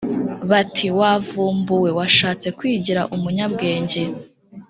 bati"wavumbuwe washatse kwigira umunyabwenge